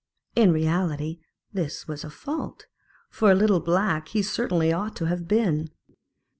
In reality this was a fault; for a little black he certainly ought to have been.